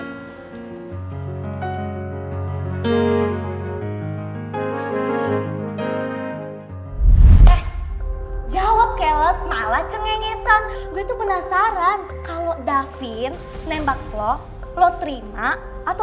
eh jawab kayak lo semalaceng ngesan gue tuh penasaran kalo davin nembak lo lo terima atau enggak